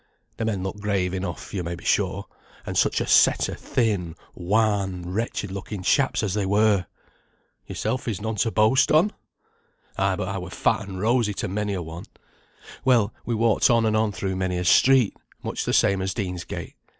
The men looked grave enough, yo may be sure; and such a set of thin, wan, wretched looking chaps as they were!" "Yourself is none to boast on." "Ay, but I were fat and rosy to many a one. Well, we walked on and on through many a street, much the same as Deansgate.